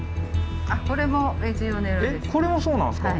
これもそうなんですか？